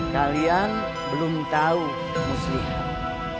kalian belum tau muslihat